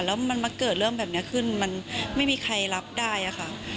แล้วมันมาเกิดเรื่องแบบนี้ขึ้นมันไม่มีใครรับได้ค่ะ